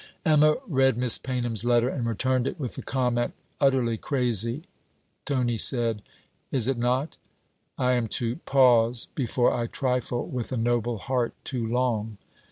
Emma read Miss Paynham's letter, and returned it with the comment: 'Utterly crazy.' Tony said: 'Is it not? I am to "Pause before I trifle with a noble heart too long."